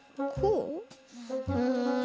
うん。